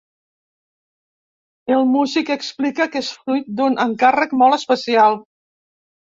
El músic explica que és fruit d'un encàrrec molt especial.